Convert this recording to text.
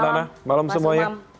malam mbak nana malam semuanya